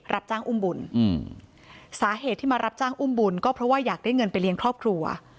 รับจ้างอุ้มบุญสาเหตุที่มารับจ้างอุ้มบุญก็เพราะว่าอยากได้เงินไปเลี้ยงครอบครัว